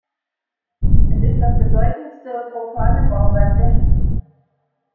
Es ist das bedeutendste profane Bauwerk der Stadt.